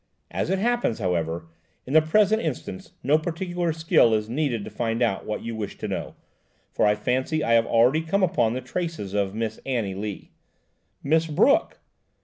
As it happens, however, in the present instance, no particular skill is needed to find out what you wish to know, for I fancy I have already come upon the traces of Miss Annie Lee." "Miss Brooke!"